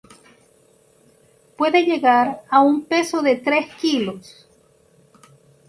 Puede llegar a un peso de tres kilos.